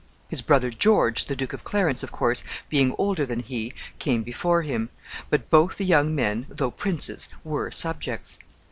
His brother George, the Duke of Clarence, of course, being older than he, came before him; but both the young men, though princes, were subjects.